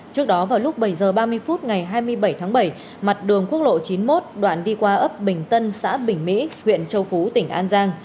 trước đó vào lúc bảy h ba mươi phút ngày hai mươi bảy tháng bảy mặt đường quốc lộ chín mươi một đoạn đi qua ấp bình tân xã bình mỹ huyện châu phú tỉnh an giang